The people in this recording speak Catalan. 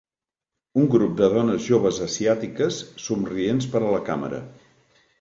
Un grup de dones joves asiàtiques somrients per a la càmera